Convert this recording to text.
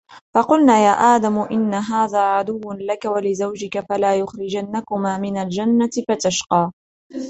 فقلنا يا آدم إن هذا عدو لك ولزوجك فلا يخرجنكما من الجنة فتشقى